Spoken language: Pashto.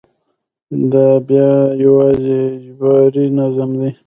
دا بیا یوازې اجباري نظم دی.